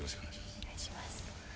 お願いします。